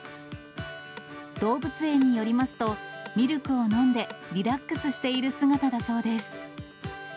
動物園によりますと、ミルクを飲んでリラックスしている姿だそうです。